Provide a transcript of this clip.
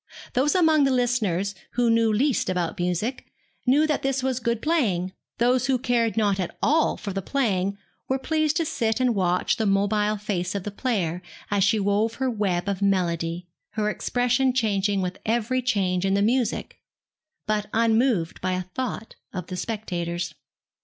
Those among the listeners who knew least about music, knew that this was good playing; those who cared not at all for the playing were pleased to sit and watch the mobile face of the player as she wove her web of melody, her expression changing with every change in the music, but unmoved by a thought of the spectators.